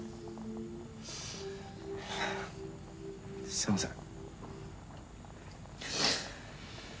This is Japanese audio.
すみません。